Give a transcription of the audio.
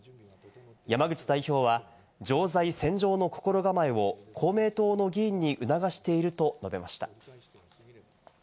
山口代表は常在戦場の心構えを公明党の議員に促していると述べました。